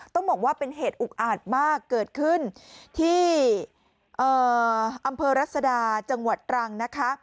ต้องบอกว่าเป็นเหตุอุกอาจมากเกิดขึ้นที่อำเภอรัศดาจังหวัดตรังนะคะ